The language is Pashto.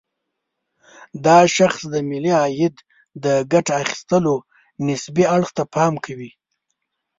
دا شاخص د ملي عاید د ګټه اخيستلو نسبي اړخ ته پام کوي.